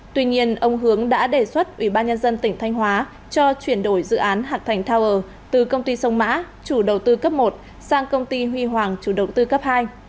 tuy nhiên ông hướng đã đề xuất ủy ban nhân dân tỉnh thanh hóa cho chuyển đổi dự án hạc thành tower từ công ty sông mã chủ đầu tư cấp một sang công ty huy hoàng chủ đầu tư cấp hai